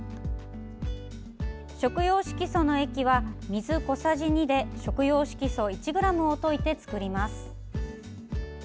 食用色素の液は水小さじ２で食用色素１ｇを溶いて作ります。